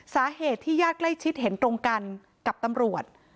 สาเหตุที่ญาติใกล้ชิดเห็นตรงกันกับตำรวจ